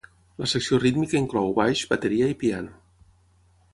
La secció rítmica inclou baix, bateria i piano.